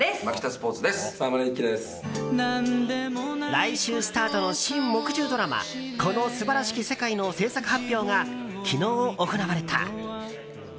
来週スタートの新木１０ドラマ「この素晴らしき世界」の制作発表が昨日行われた。